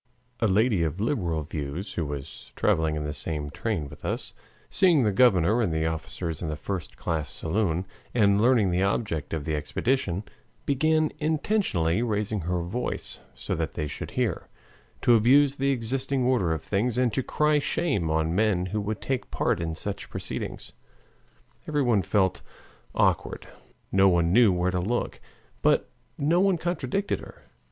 A lady of liberal views, who was traveling in the same train with us, seeing the governor and the officers in the first class saloon and learning the object of the expedition, began, intentionally raising her voice so that they should hear, to abuse the existing order of things and to cry shame on men who would take part in such proceedings. Everyone felt awkward, none knew where to look, but no one contradicted her.